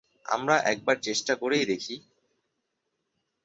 আমরা একবার চেষ্টা করেই দেখি!